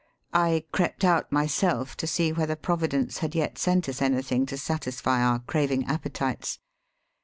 I crept out myself to see whether Providence had yet sent us anything to satisfy our craving appe tites.